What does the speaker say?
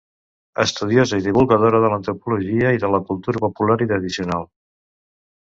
Estudiosa i divulgadora de l'antropologia i de la cultura popular i tradicional.